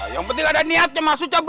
yang penting ada niatnya masuk cabut